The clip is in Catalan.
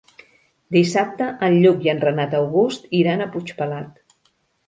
Dissabte en Lluc i en Renat August iran a Puigpelat.